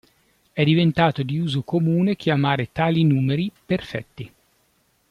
È diventato di uso comune chiamare tali numeri "perfetti".